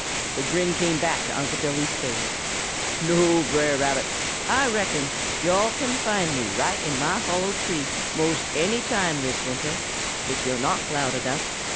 The grin came back to Unc' Billy's face. "No, Brer Rabbit. Ah reckons yo'all can find me right in mah hollow tree most any time this winter, if yo' knock loud enough.